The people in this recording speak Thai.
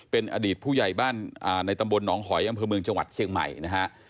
เป็นอดีตผู้ใหญ่บ้านในตำบลหนองหอยอำเภอเมืองจังหวัดเชียงใหม่นะฮะ